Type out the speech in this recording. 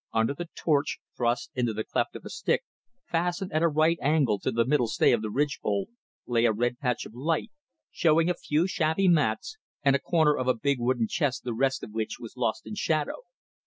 Under the torch, thrust into the cleft of a stick, fastened at a right angle to the middle stay of the ridge pole, lay a red patch of light, showing a few shabby mats and a corner of a big wooden chest the rest of which was lost in shadow.